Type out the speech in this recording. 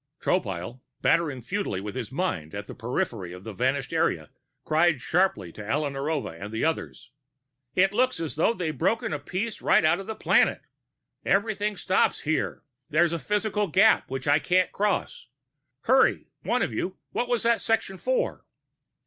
Tropile, battering futilely with his mind at the periphery of the vanished area, cried sharply to Alla Narova and the others: "It looks as though they've broken a piece right out of the planet! Everything stops here there's a physical gap which I can't cross. Hurry, one of you what was this section for?"